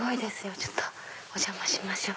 ちょっとお邪魔しましょう。